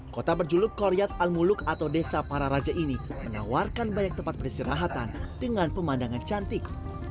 kota berjuluk koriyat al muluk atau desa para raja ini menawarkan banyak tempat peristirahatan dengan pemandangan cantik